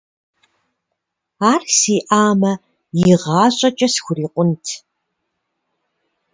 Ар сиӀамэ, игъащӀэкӀэ схурикъунт.